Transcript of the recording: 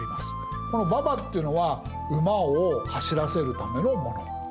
この馬場っていうのは馬を走らせるためのもの。